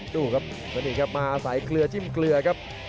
ดูครับแล้วนี่ครับมาสายเกลือจิ้มเกลือครับ